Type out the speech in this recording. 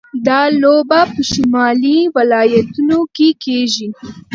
دا لوبه په شمالي ولایتونو کې کیږي.